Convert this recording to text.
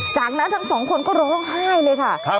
จากนั้นทั้งสองคนก็ร้องไห้เลยค่ะ